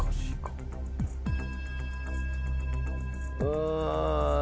うん。